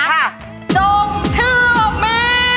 จงเชื่อแม่